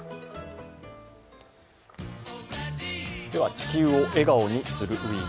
「地球を笑顔にするＷＥＥＫ」